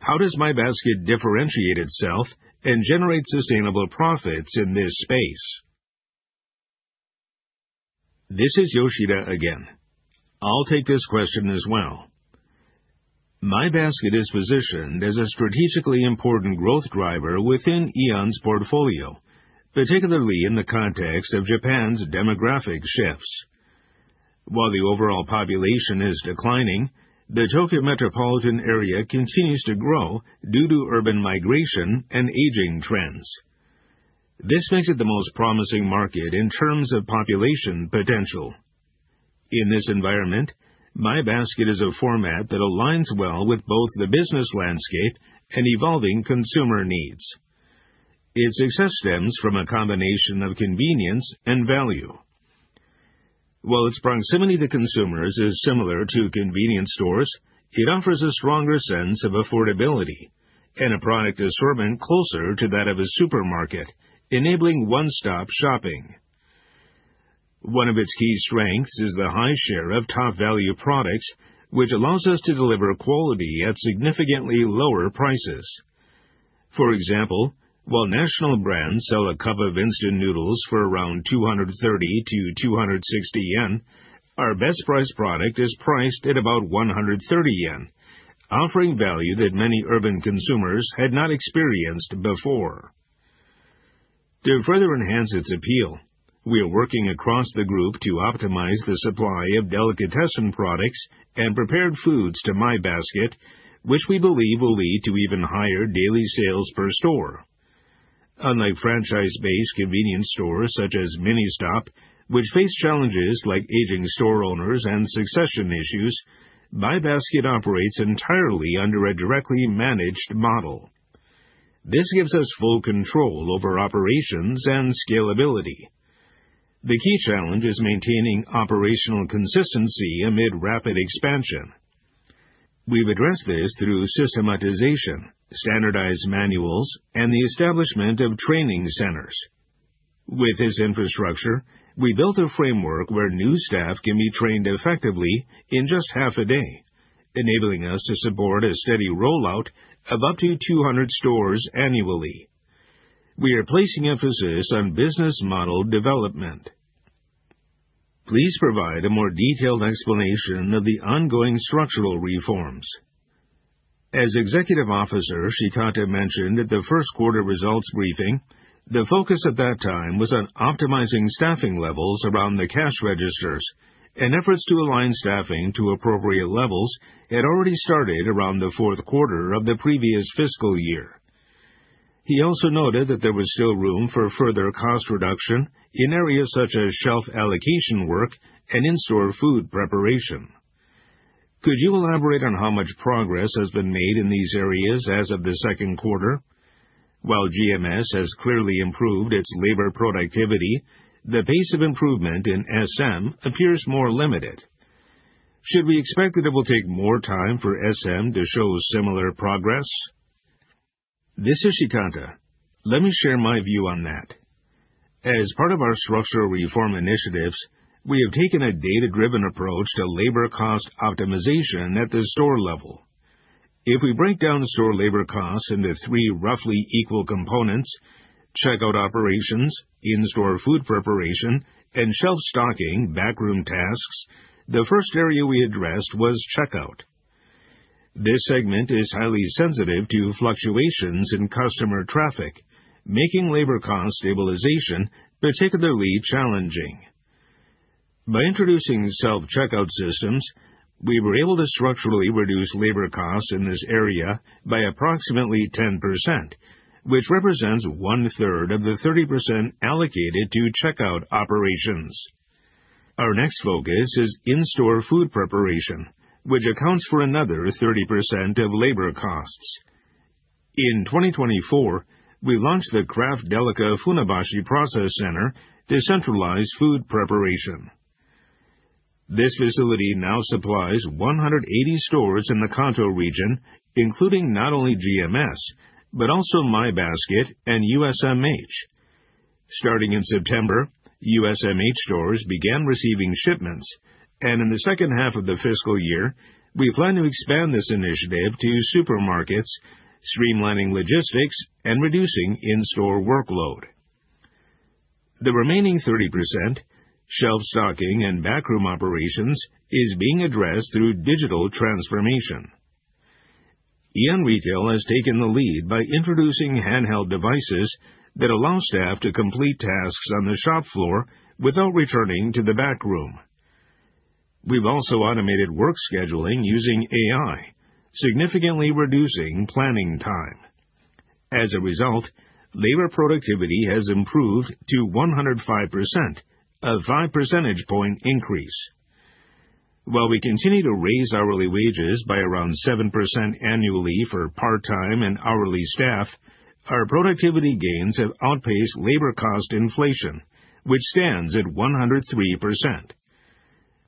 how does My Basket differentiate itself and generate sustainable profits in this space? This is Yoshida again. I'll take this question as well. My Basket is positioned as a strategically important growth driver within AEON's portfolio, particularly in the context of Japan's demographic shifts. While the overall population is declining, the Tokyo metropolitan area continues to grow due to urban migration and aging trends. This makes it the most promising market in terms of population potential. In this environment, My Basket is a format that aligns well with both the business landscape and evolving consumer needs. Its success stems from a combination of convenience and value. While its proximity to consumers is similar to convenience stores, it offers a stronger sense of affordability and a product assortment closer to that of a supermarket, enabling one-stop shopping. One of its key strengths is the high share of TOPVALU products, which allows us to deliver quality at significantly lower prices. For example, while national brands sell a cup of instant noodles for around 230-260 yen, our best-priced product is priced at about 130 yen, offering value that many urban consumers had not experienced before. To further enhance its appeal, we are working across the group to optimize the supply of delicatessen products and prepared foods to My Basket, which we believe will lead to even higher daily sales per store. Unlike franchise-based convenience stores such as MINISTOP, which face challenges like aging store owners and succession issues, My Basket operates entirely under a directly managed model. This gives us full control over operations and scalability. The key challenge is maintaining operational consistency amid rapid expansion. We've addressed this through systematization, standardized manuals, and the establishment of training centers. With this infrastructure, we built a framework where new staff can be trained effectively in just half a day, enabling us to support a steady rollout of up to 200 stores annually. We are placing emphasis on business model development. Please provide a more detailed explanation of the ongoing structural reforms. As Executive Officer Shikata mentioned at the first quarter results briefing, the focus at that time was on optimizing staffing levels around the cash registers and efforts to align staffing to appropriate levels had already started around the fourth quarter of the previous fiscal year. He also noted that there was still room for further cost reduction in areas such as shelf allocation work and in-store food preparation. Could you elaborate on how much progress has been made in these areas as of the second quarter? While GMS has clearly improved its labor productivity, the pace of improvement in SM appears more limited. Should we expect that it will take more time for SM to show similar progress? This is Shikata. Let me share my view on that. As part of our structural reform initiatives, we have taken a data-driven approach to labor cost optimization at the store level. If we break down store labor costs into three roughly equal components, checkout operations, in-store food preparation, and shelf stocking backroom tasks, the first area we addressed was checkout. This segment is highly sensitive to fluctuations in customer traffic, making labor cost stabilization particularly challenging. By introducing self-checkout systems, we were able to structurally reduce labor costs in this area by approximately 10%, which represents one-third of the 30% allocated to checkout operations. Our next focus is in-store food preparation, which accounts for another 30% of labor costs. In 2024, we launched the Craft Delica Funabashi Process Center, decentralized food preparation. This facility now supplies 180 stores in the Kanto region, including not only GMS, but also My Basket and USMH. Starting in September, USMH stores began receiving shipments, and in the second half of the fiscal year, we plan to expand this initiative to supermarkets, streamlining logistics and reducing in-store workload. The remaining 30%, shelf stocking and backroom operations, is being addressed through digital transformation. AEON Retail has taken the lead by introducing handheld devices that allow staff to complete tasks on the shop floor without returning to the backroom. We've also automated work scheduling using AI, significantly reducing planning time. As a result, labor productivity has improved to 105%, a 5 percentage point increase. While we continue to raise hourly wages by around 7% annually for part-time and hourly staff, our productivity gains have outpaced labor cost inflation, which stands at 103%.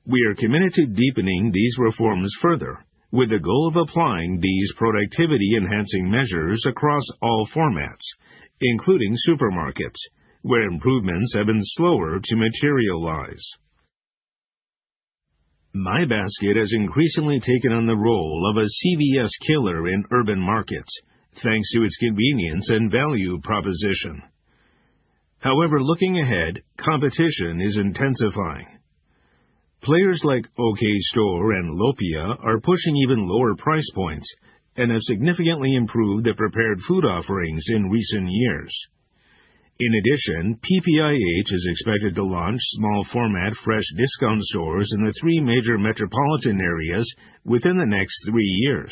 We are committed to deepening these reforms further, with the goal of applying these productivity-enhancing measures across all formats, including supermarkets, where improvements have been slower to materialize. My Basket has increasingly taken on the role of a CVS killer in urban markets, thanks to its convenience and value proposition. However, looking ahead, competition is intensifying. Players like OK Store and Lopia are pushing even lower price points and have significantly improved the prepared food offerings in recent years. In addition, PPIH is expected to launch small-format fresh discount stores in the three major metropolitan areas within the next three years.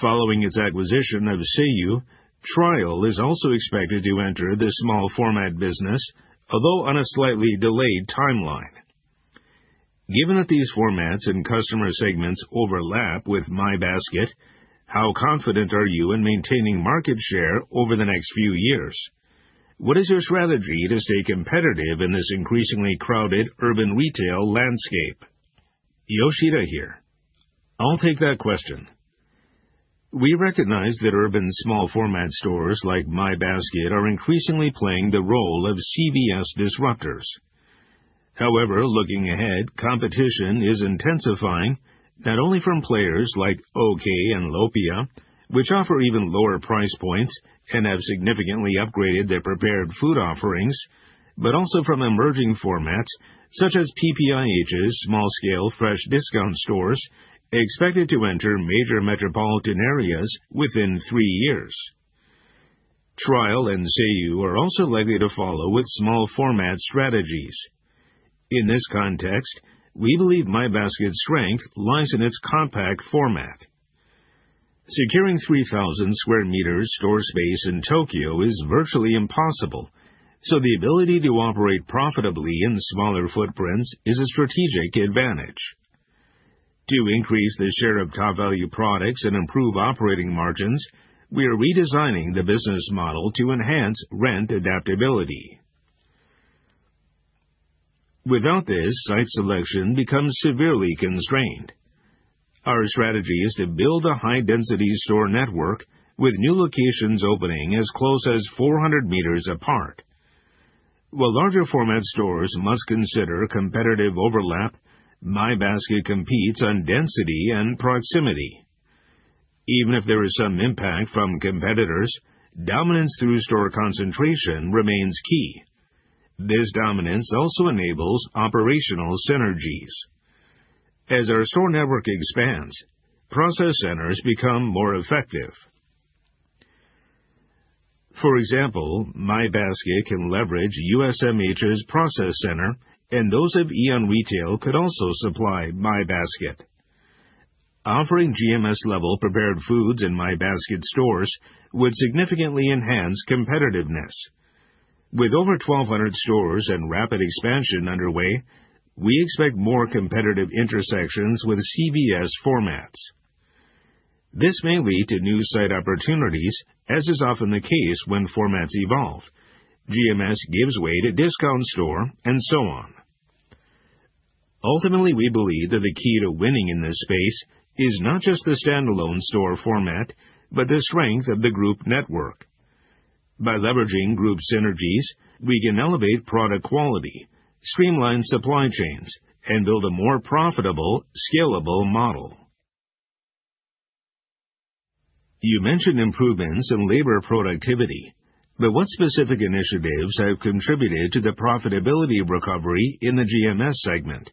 Following its acquisition of Seiyu, Trial is also expected to enter the small-format business, although on a slightly delayed timeline. Given that these formats and customer segments overlap with My Basket, how confident are you in maintaining market share over the next few years? What is your strategy to stay competitive in this increasingly crowded urban retail landscape? Yoshida here. I'll take that question. We recognize that urban small-format stores like My Basket are increasingly playing the role of CVS disruptors. However, looking ahead, competition is intensifying, not only from players like OK and Lopia, which offer even lower price points and have significantly upgraded their prepared food offerings, but also from emerging formats such as PPIH's small-scale fresh discount stores expected to enter major metropolitan areas within three years. Trial and Seiyu are also likely to follow with small-format strategies. In this context, we believe My Basket's strength lies in its compact format. Securing 3,000 sq m store space in Tokyo is virtually impossible, so the ability to operate profitably in smaller footprints is a strategic advantage. To increase the share of top-value products and improve operating margins, we are redesigning the business model to enhance rent adaptability. Without this, site selection becomes severely constrained. Our strategy is to build a high-density store network, with new locations opening as close as 400 m apart. While larger-format stores must consider competitive overlap, My Basket competes on density and proximity. Even if there is some impact from competitors, dominance through store concentration remains key. This dominance also enables operational synergies. As our store network expands, process centers become more effective. For example, My Basket can leverage USMH's process center, and those of AEON Retail could also supply My Basket. Offering GMS-level prepared foods in My Basket stores would significantly enhance competitiveness. With over 1,200 stores and rapid expansion underway, we expect more competitive intersections with CVS formats. This may lead to new site opportunities, as is often the case when formats evolve. GMS gives way to discount store, and so on. Ultimately, we believe that the key to winning in this space is not just the standalone store format, but the strength of the group network. By leveraging group synergies, we can elevate product quality, streamline supply chains, and build a more profitable, scalable model. You mentioned improvements in labor productivity, but what specific initiatives have contributed to the profitability recovery in the GMS segment?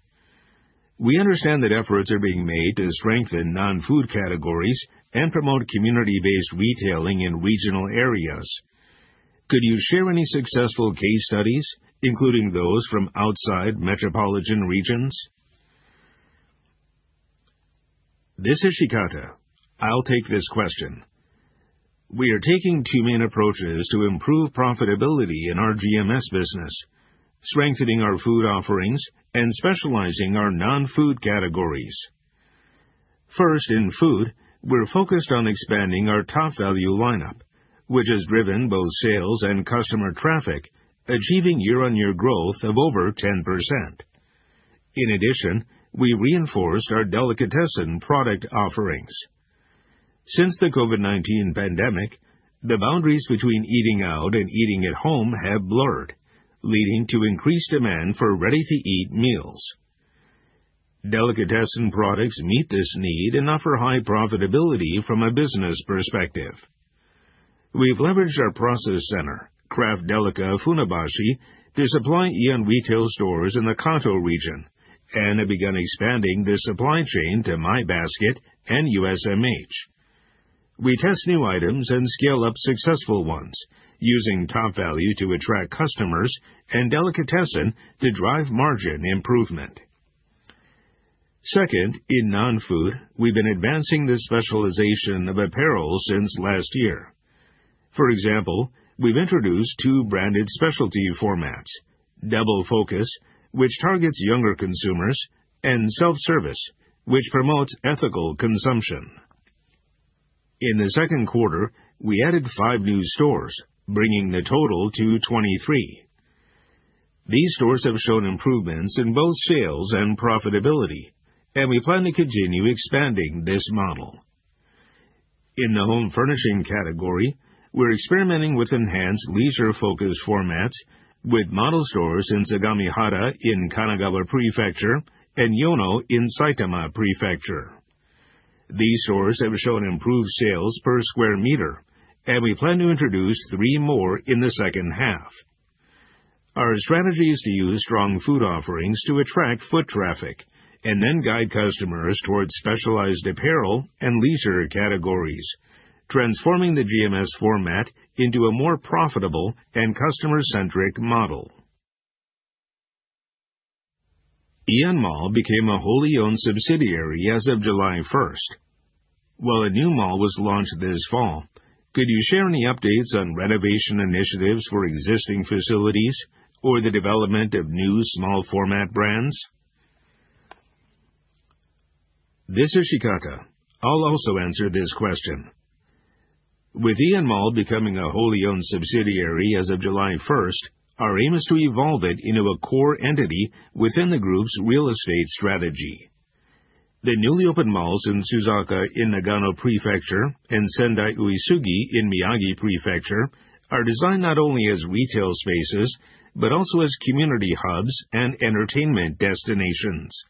We understand that efforts are being made to strengthen non-food categories and promote community-based retailing in regional areas. Could you share any successful case studies, including those from outside metropolitan regions? This is Shikata. I'll take this question. We are taking two main approaches to improve profitability in our GMS business: strengthening our food offerings and specializing our non-food categories. First, in food, we're focused on expanding our TOPVALU lineup, which has driven both sales and customer traffic, achieving year-on-year growth of over 10%. In addition, we reinforced our delicatessen product offerings. Since the COVID-19 pandemic, the boundaries between eating out and eating at home have blurred, leading to increased demand for ready-to-eat meals. Delicatessen products meet this need and offer high profitability from a business perspective. We've leveraged our process center, Craft Delica Funabashi, to supply AEON Retail stores in the Kanto region, and have begun expanding the supply chain to My Basket and USMH. We test new items and scale up successful ones, using TOPVALU to attract customers and delicatessen to drive margin improvement. Second, in non-food, we've been advancing the specialization of apparel since last year. For example, we've introduced two branded specialty formats: Doublefocus, which targets younger consumers, and SELF+SERVICE, which promotes ethical consumption. In the second quarter, we added five new stores, bringing the total to 23. These stores have shown improvements in both sales and profitability, and we plan to continue expanding this model. In the home furnishing category, we're experimenting with enhanced leisure-focused formats, with model stores in Sagamihara in Kanagawa Prefecture and Yono in Saitama Prefecture. These stores have shown improved sales per square meter, and we plan to introduce three more in the second half. Our strategy is to use strong food offerings to attract foot traffic and then guide customers towards specialized apparel and leisure categories, transforming the GMS format into a more profitable and customer-centric model. AEON MALL became a wholly owned subsidiary as of July 1st. While a new mall was launched this fall, could you share any updates on renovation initiatives for existing facilities or the development of new small-format brands? This is Shikata. I'll also answer this question. With AEON MALL becoming a wholly owned subsidiary as of July 1st, our aim is to evolve it into a core entity within the group's real estate strategy. The newly opened malls in Suzaka in Nagano Prefecture and Sendai Uesugi in Miyagi Prefecture are designed not only as retail spaces but also as community hubs and entertainment destinations.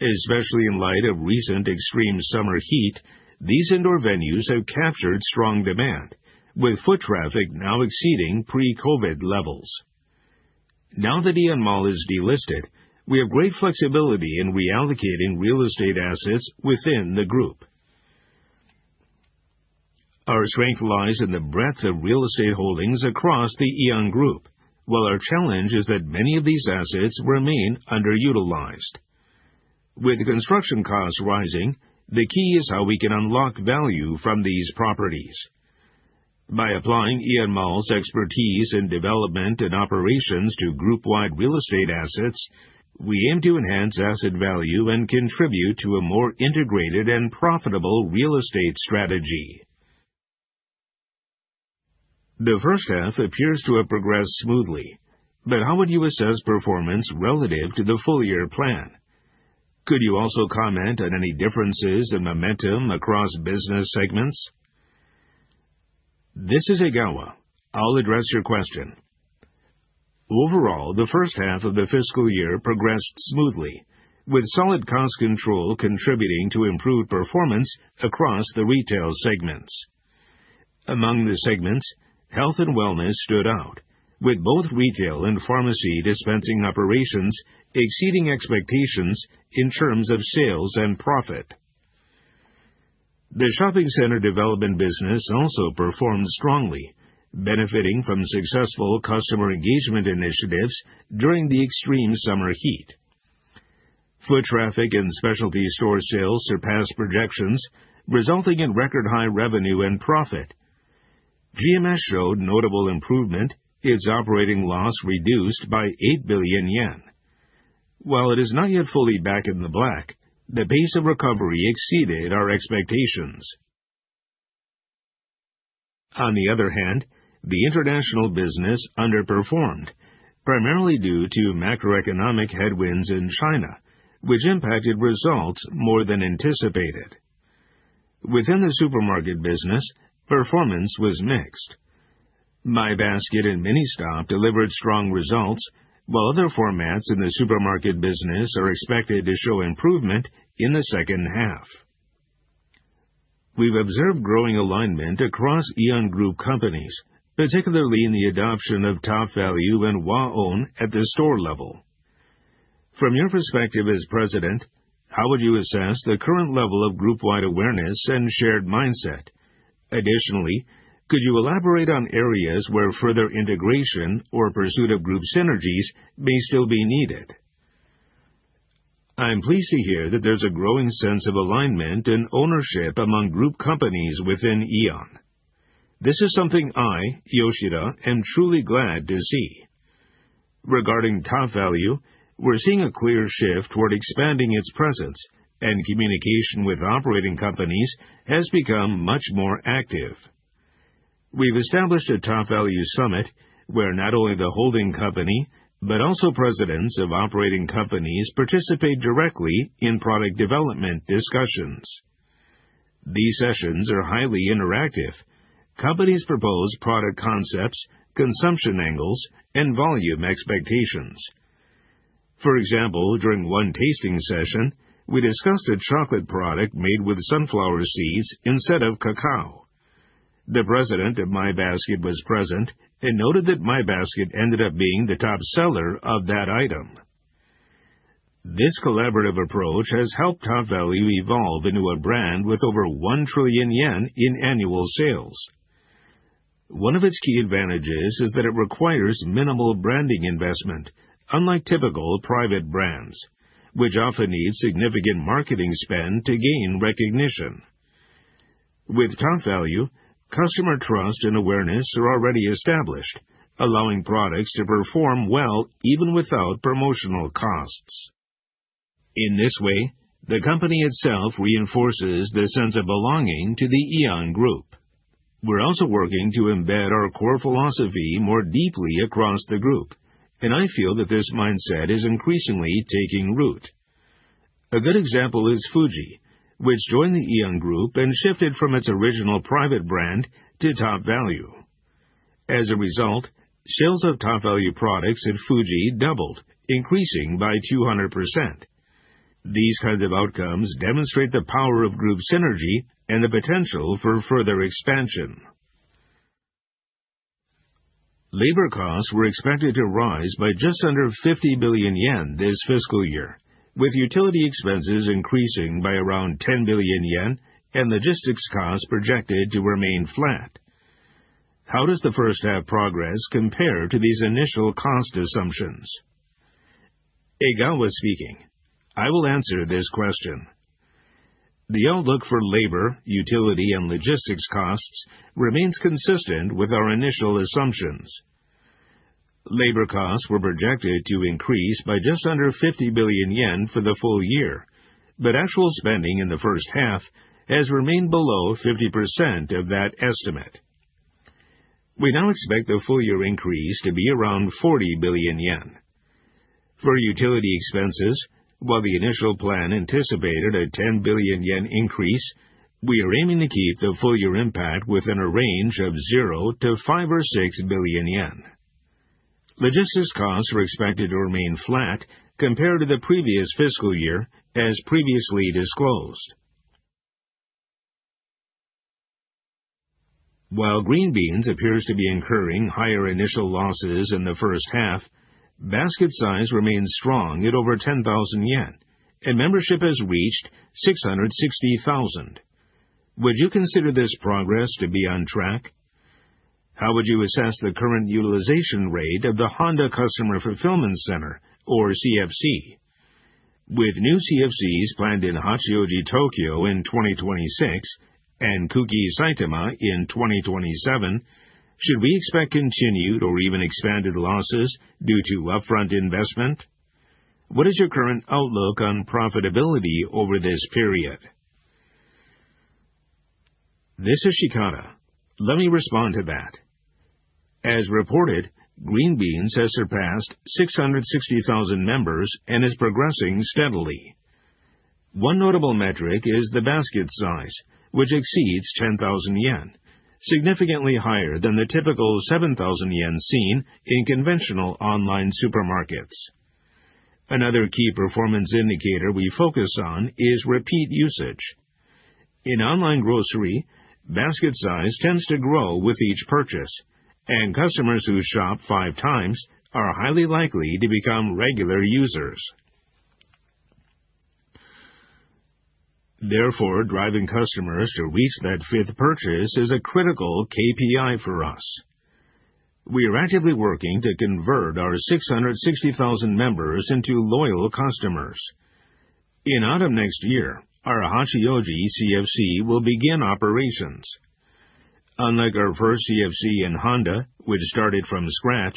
Especially in light of recent extreme summer heat, these indoor venues have captured strong demand, with foot traffic now exceeding pre-COVID levels. Now that AEON MALL is delisted, we have great flexibility in reallocating real estate assets within the group. Our strength lies in the breadth of real estate holdings across the AEON Group, while our challenge is that many of these assets remain underutilized. With construction costs rising, the key is how we can unlock value from these properties. By applying AEON MALL's expertise in development and operations to group-wide real estate assets, we aim to enhance asset value and contribute to a more integrated and profitable real estate strategy. The first half appears to have progressed smoothly, but how would you assess performance relative to the full-year plan? Could you also comment on any differences in momentum across business segments? This is Egawa. I'll address your question. Overall, the first half of the fiscal year progressed smoothly, with solid cost control contributing to improved performance across the retail segments. Among the segments, health and wellness stood out, with both retail and pharmacy dispensing operations exceeding expectations in terms of sales and profit. The shopping center development business also performed strongly, benefiting from successful customer engagement initiatives during the extreme summer heat. Foot traffic and specialty store sales surpassed projections, resulting in record-high revenue and profit. GMS showed notable improvement, its operating loss reduced by 8 billion yen. While it is not yet fully back in the black, the pace of recovery exceeded our expectations. On the other hand, the international business underperformed, primarily due to macroeconomic headwinds in China, which impacted results more than anticipated. Within the supermarket business, performance was mixed. My Basket and MINISTOP delivered strong results, while other formats in the supermarket business are expected to show improvement in the second half. We've observed growing alignment across AEON Group companies, particularly in the adoption of TOPVALU and WAON at the store level. From your perspective as President, how would you assess the current level of group-wide awareness and shared mindset? Additionally, could you elaborate on areas where further integration or pursuit of group synergies may still be needed? I'm pleased to hear that there's a growing sense of alignment and ownership among group companies within AEON. This is something I, Yoshida, am truly glad to see. Regarding TOPVALU, we're seeing a clear shift toward expanding its presence, and communication with operating companies has become much more active. We've established a TOPVALU summit where not only the holding company but also Presidents of operating companies participate directly in product development discussions. These sessions are highly interactive. Companies propose product concepts, consumption angles, and volume expectations. For example, during one tasting session, we discussed a chocolate product made with sunflower seeds instead of cacao. The President of My Basket was present and noted that My Basket ended up being the top seller of that item. This collaborative approach has helped TOPVALU evolve into a brand with over 1 trillion yen in annual sales. One of its key advantages is that it requires minimal branding investment, unlike typical private brands, which often need significant marketing spend to gain recognition. With TOPVALU, customer trust and awareness are already established, allowing products to perform well even without promotional costs. In this way, the company itself reinforces the sense of belonging to the AEON Group. We're also working to embed our core philosophy more deeply across the group, and I feel that this mindset is increasingly taking root. A good example is Fuji, which joined the AEON Group and shifted from its original private brand to TOPVALU. As a result, sales of TOPVALU products at Fuji doubled, increasing by 200%. These kinds of outcomes demonstrate the power of group synergy and the potential for further expansion. Labor costs were expected to rise by just under 50 billion yen this fiscal year, with utility expenses increasing by around 10 billion yen and logistics costs projected to remain flat. How does the first half progress compare to these initial cost assumptions? Egawa speaking. I will answer this question. The outlook for labor, utility, and logistics costs remains consistent with our initial assumptions. Labor costs were projected to increase by just under 50 billion yen for the full year, but actual spending in the first half has remained below 50% of that estimate. We now expect the full-year increase to be around 40 billion yen. For utility expenses, while the initial plan anticipated a 10 billion yen increase, we are aiming to keep the full-year impact within a range of 0 billion-5 billion or 6 billion yen. Logistics costs are expected to remain flat compared to the previous fiscal year, as previously disclosed. While Green Beans appears to be incurring higher initial losses in the first half, basket size remains strong at over 10,000 yen, and membership has reached 660,000. Would you consider this progress to be on track? How would you assess the current utilization rate of the Honda Customer Fulfillment Center, or CFC? With new CFCs planned in Hachioji, Tokyo, in 2026, and Kuki, Saitama, in 2027, should we expect continued or even expanded losses due to upfront investment? What is your current outlook on profitability over this period? This is Shikata. Let me respond to that. As reported, Green Beans has surpassed 660,000 members and is progressing steadily. One notable metric is the basket size, which exceeds 10,000 yen, significantly higher than the typical 7,000 yen seen in conventional online supermarkets. Another key performance indicator we focus on is repeat usage. In online grocery, basket size tends to grow with each purchase, and customers who shop five times are highly likely to become regular users. Therefore, driving customers to reach that fifth purchase is a critical KPI for us. We are actively working to convert our 660,000 members into loyal customers. In autumn next year, our Hachioji CFC will begin operations. Unlike our first CFC in Honda, which started from scratch,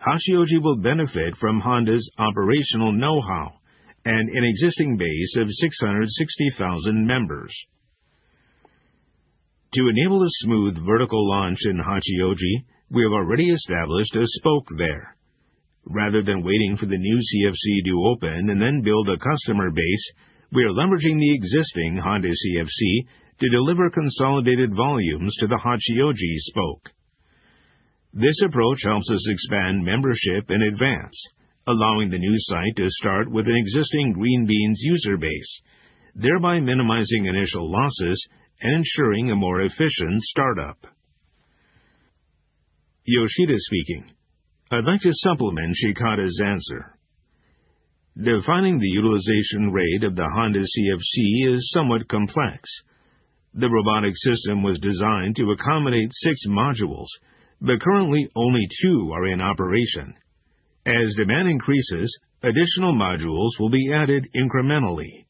Hachioji will benefit from Honda's operational know-how and an existing base of 660,000 members. To enable a smooth vertical launch in Hachioji, we have already established a spoke there. Rather than waiting for the new CFC to open and then build a customer base, we are leveraging the existing Honda CFC to deliver consolidated volumes to the Hachioji spoke. This approach helps us expand membership in advance, allowing the new site to start with an existing Green Beans user base, thereby minimizing initial losses and ensuring a more efficient startup. Yoshida speaking. I'd like to supplement Shikata's answer. Defining the utilization rate of the Honda CFC is somewhat complex. The robotic system was designed to accommodate six modules, but currently only two are in operation. As demand increases, additional modules will be added incrementally.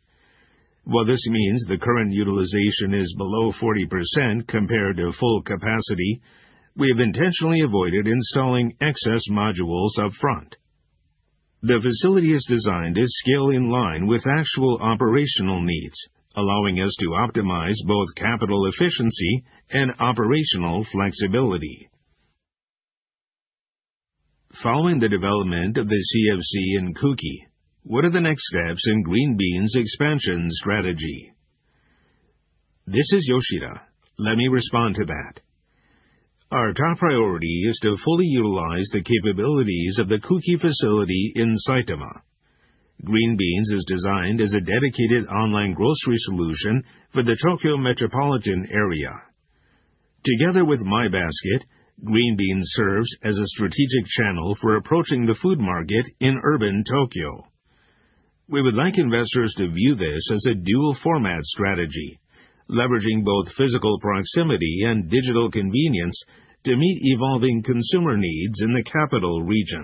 While this means the current utilization is below 40% compared to full capacity, we have intentionally avoided installing excess modules upfront. The facility is designed to scale in line with actual operational needs, allowing us to optimize both capital efficiency and operational flexibility. Following the development of the CFC in Kuki, what are the next steps in Green Beans' expansion strategy? This is Yoshida. Let me respond to that. Our top priority is to fully utilize the capabilities of the Kuki facility in Saitama. Green Beans is designed as a dedicated online grocery solution for the Tokyo metropolitan area. Together with My Basket, Green Beans serves as a strategic channel for approaching the food market in urban Tokyo. We would like investors to view this as a dual-format strategy, leveraging both physical proximity and digital convenience to meet evolving consumer needs in the capital region.